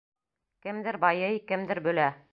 Кемдер байый, кемдер бөлә.